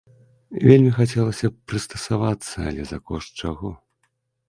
Вельмі хацелася б прыстасавацца, але за кошт чаго?